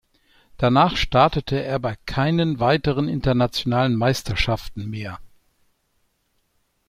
Danach startete er bei keinen weiteren internationalen Meisterschaften mehr.